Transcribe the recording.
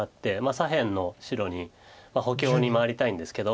左辺の白に補強に回りたいんですけど。